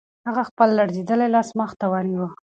هغه خپل لړزېدلی لاس مخې ته ونیو.